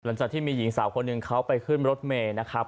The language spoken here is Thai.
หลังจากที่มีหญิงสาวคนหนึ่งเขาไปขึ้นรถเมย์นะครับ